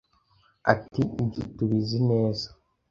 Ati Ibyo tubizi neza